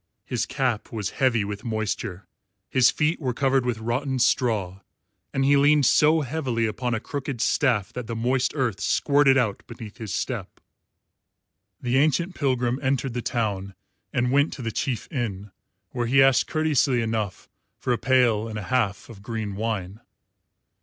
His cap was heavy with moisture, his feet were covered with rotten straw, and he leaned so heavily upon a crooked staff that the moist earth squirted out beneath his step. The ancient pilgrim entered the town and went to the chief inn, where he asked courteously enough for a pail and a half of green wine.